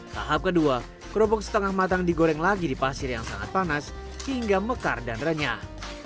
tahap kedua kerupuk setengah matang digoreng lagi di pasir yang sangat panas hingga mekar dan renyah